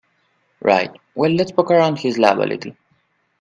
Right, well let's poke around his lab a little.